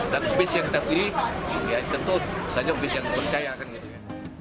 dan base yang terpilih